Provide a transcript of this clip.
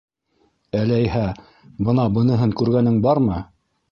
Әләйһә, бына быныһын күргәнең бармы?..